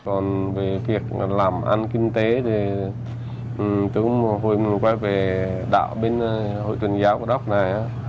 còn về việc làm ăn kinh tế thì tôi cũng hồi mình quay về đạo bên hội tuần giáo của đốc này á